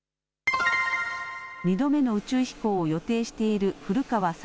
２度目の宇宙飛行を予定している古川聡